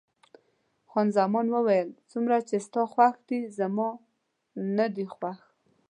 خان زمان وویل: څومره چې ستا خوښ دی، زما نه دی خوښ.